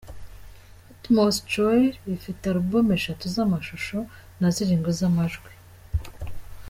Patmos Choir ifite album eshatu z’amashusho na zirindwi z’amajwi.